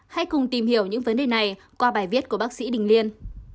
hãy cùng tìm hiểu những vấn đề này qua bài viết của bác sĩ đình liên